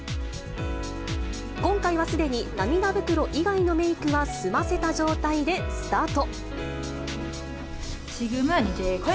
今回はすでに涙袋以外のメークは済ませた状態でスタート。